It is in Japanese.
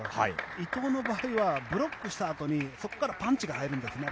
伊藤の場合はブロックしたあとにそこからパンチが入るんですね